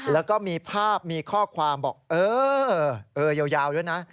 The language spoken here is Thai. แล้วก็มีภาพมีข้อความบอกเออยาวด้วยนะ